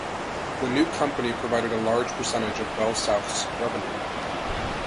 The new company provided a large percentage of BellSouth's revenue.